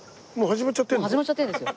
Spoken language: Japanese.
始まっちゃってるんですよ。